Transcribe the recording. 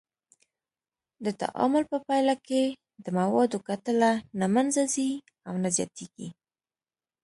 د تعامل په پایله کې د موادو کتله نه منځه ځي او نه زیاتیږي.